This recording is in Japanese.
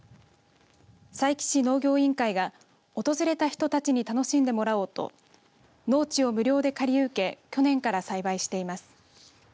佐伯市農業委員会が訪れた人たちに楽しんでもらおうと農地を無料で借り受け去年から栽培しています。